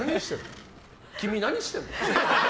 君、何してんの？